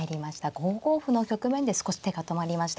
５五歩の局面で少し手が止まりました。